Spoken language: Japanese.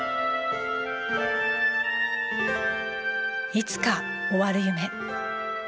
『いつか終わる夢』。